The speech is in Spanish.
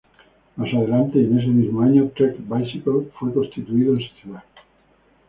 Más adelante, y en ese mismo año, Trek Bicycle fue constituido en sociedad.